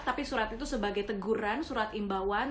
tapi surat itu sebagai teguran surat imbauan